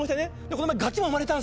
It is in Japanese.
この前ガキも生まれたんですよ。